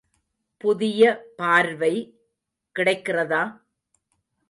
புதிய பார்வை கிடைக்கிறதா?